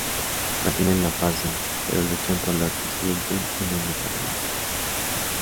Mantienen la farsa pero luchan por lo que sienten el uno para la otra.